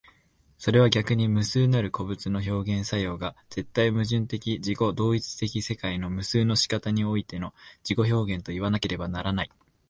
それは逆に無数なる個物の表現作用が絶対矛盾的自己同一的世界の無数の仕方においての自己表現といわなければならない。